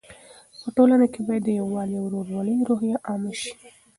په ټولنه کې باید د یووالي او ورورولۍ روحیه عامه سي.